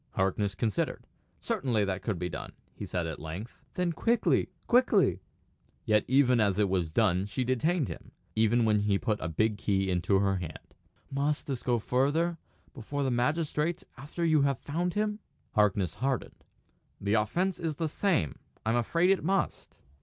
Harkness considered. "Certainly that could be done," he said at length. "Then quickly quickly!" Yet even when it was done she detained him; even when he put a big key into her hand. "Must this go further before the magistrates after you have found him?" Harkness hardened. "The offence is the same. I'm afraid it must."